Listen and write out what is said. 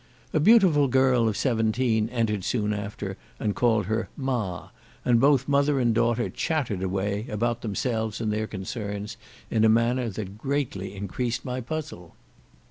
A beautiful girl of seventeen entered soon after, and called her "Ma," and both mother and daughter chattered away, about themselves and their concerns, in a manner that greatly increased my puzzle.